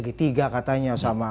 sekitiga katanya sama